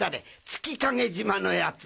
月影島のやつ。